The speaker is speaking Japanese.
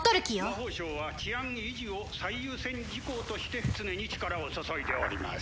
魔法省は治安維持を最優先事項として常に力を注いでおります